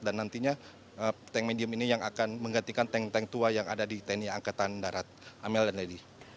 dan nantinya tank medium ini yang akan menggantikan tank tank tua yang ada di tni angkatan darat amel dan lady